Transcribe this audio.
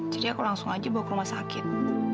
jadi aku langsung aja bawa ke rumah sakit